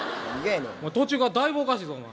途中からだいぶおかしいぞお前。